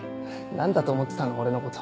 何だと思ってたの俺のこと。